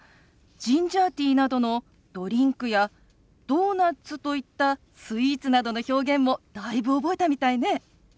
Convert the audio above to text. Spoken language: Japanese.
ジンジャーティーなどのドリンクやドーナツといったスイーツなどの表現もだいぶ覚えたみたいね。